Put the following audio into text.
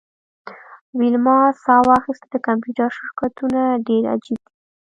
ویلما ساه واخیسته د کمپیوټر شرکتونه ډیر عجیب دي